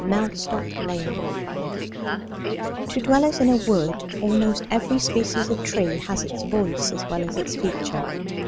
MELLSTOCK LANE To dwellers in a wood almost every species of tree has its voice as well as its feature.